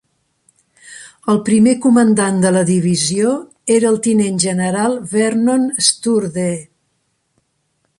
El primer comandant de la divisió era el tinent general Vernon Sturdee.